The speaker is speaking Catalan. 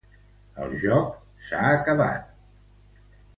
El joc s'ha acabat.